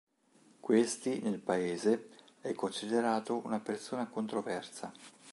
Questi nel paese è considerato una persona controversa.